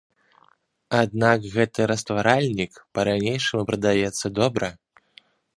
Аднак гэты растваральнік па-ранейшаму прадаецца добра.